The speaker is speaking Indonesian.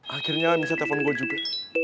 akhirnya misalnya telepon gue juga